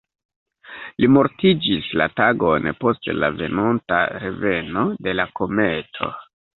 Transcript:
Li mortiĝis la tagon post la venonta reveno de la kometo.